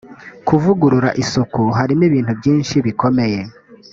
kuvugurura isuku harimo ibintu byinshi bikomeye